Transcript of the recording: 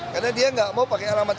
karena dia nggak mau pakai alamat